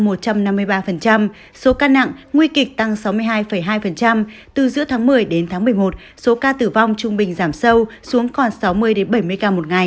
số ca nặng nguy kịch tăng sáu mươi hai hai từ giữa tháng một mươi đến tháng một mươi một số ca tử vong trung bình giảm sâu xuống còn sáu mươi bảy mươi ca một ngày